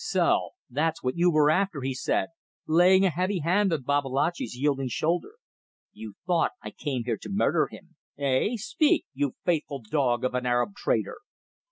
"So! That's what you were after," he said, laying a heavy hand on Babalatchi's yielding shoulder. "You thought I came here to murder him. Hey? Speak! You faithful dog of an Arab trader!"